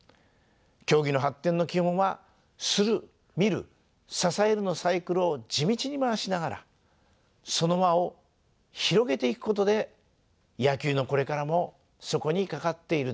競技の発展の基本は「するみる支える」のサイクルを地道に回しながらその輪を広げていくことで野球のこれからもそこにかかっているでしょう。